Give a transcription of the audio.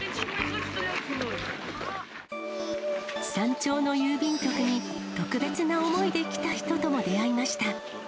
山頂の郵便局に、特別な思いで来た人とも出会いました。